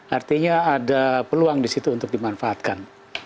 artinya ada peluang di situ untuk dimanfaatkan